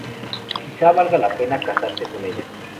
Quizá valga la pena casarse con ella...